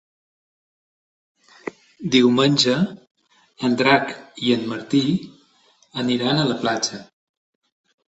Diumenge en Drac i en Martí aniran a la platja.